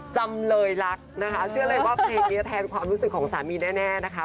จำเลยรักนะคะเชื่อเลยว่าเพลงนี้แทนความรู้สึกของสามีแน่นะคะ